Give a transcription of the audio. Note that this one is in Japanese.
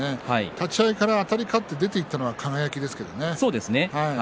立ち合いからあたり勝って出ていったのは輝ですけどね。